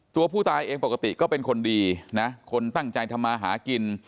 ตัวผู้ตายเองปกติก็เป็นคนดีนะคนตั้งใจทำมาหากิน